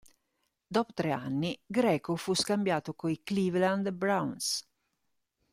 Dopo tre anni, Greco fu scambiato coi Cleveland Browns.